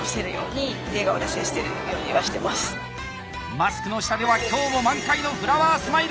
マスクの下では今日も満開のフラワースマイル！